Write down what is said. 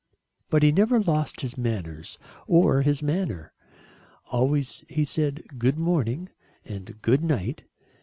But he never lost his manners, or his manner. Always he said "Good morning," and "Good night."